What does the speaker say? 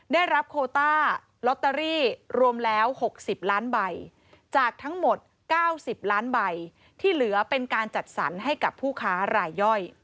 ได้รับโคต้าลอตเตอรี่รวมแล้ว๖๐ล้านใบจากทั้งหมด๙๐ล้านใบที่เหลือเป็นการจัดสรรให้กับผู้ค้ารายย่อย